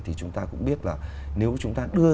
thì chúng ta cũng biết là nếu chúng ta đưa